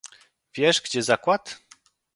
"Wiesz, gdzie zakład?"